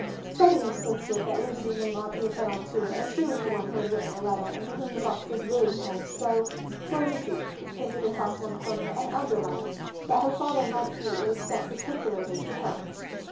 Freddie insisted that Lucy's name ought to be put on, too, as she was the one who had written the letter and to whom the box was really sent; so "For Lucy" was printed across one corner and underlined that her father might see it was sent particularly to her.